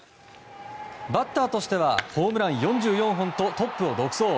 バッターとしてはホームラン４４本とトップを独走。